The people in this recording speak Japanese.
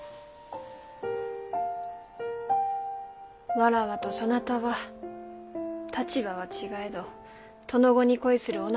わらわとそなたは立場は違えど殿御に恋する女子同士じゃ。